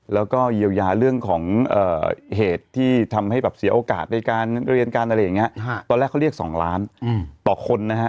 แล้วก็เยียวยาเรื่องของเหตุที่ทำให้แบบเสียโอกาสในการเรียนกันอะไรอย่างนี้ตอนแรกเขาเรียก๒ล้านต่อคนนะฮะ